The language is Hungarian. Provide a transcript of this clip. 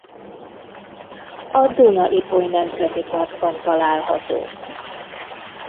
A Duna–Ipoly Nemzeti Parkban található.